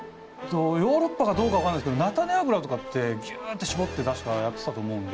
ヨーロッパかどうか分かんないですけど菜種油とかってギュってしぼって確かやってたと思うんで。